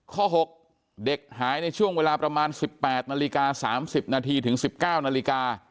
ข้อ๖เด็กหายในช่วงเวลาประมาณ๑๘นาฬิกา๓๐นาทีถึง๑๙นาฬิกา